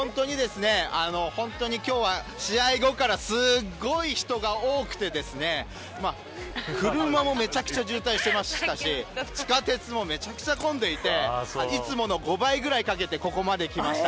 本当に今日は、試合後からすごい人が多くて車もめちゃくちゃ渋滞してましたし地下鉄もめちゃくちゃ混んでいていつもの５倍くらいかけてここまで来ました。